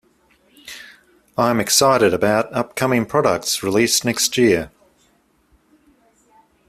I am excited about upcoming products released next year.